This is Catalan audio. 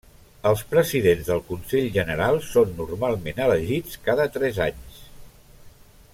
Els presidents del Consell General són normalment elegits cada tres anys.